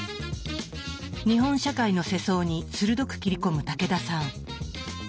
日本社会の世相に鋭く切り込む武田さん。